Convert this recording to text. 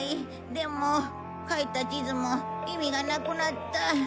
でも描いた地図も意味がなくなった。